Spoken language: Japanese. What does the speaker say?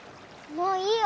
もういいよ。